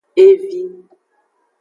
Evi.